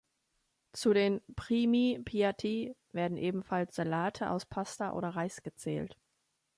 Zu den "Primi piatti" werden ebenfalls Salate aus Pasta oder Reis gezählt.